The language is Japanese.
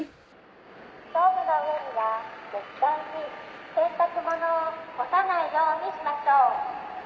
ストーブの上には絶対に洗濯物を干さないようにしましょう。